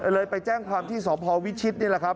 เลยไปแจ้งความที่สพวิชิตนี่แหละครับ